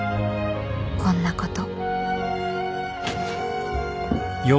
こんなこと